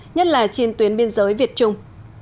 nhất là trên tuyến biên giới việt trung